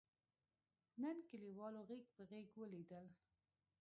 نن کلیوالو غېږ په غېږ ولیدل.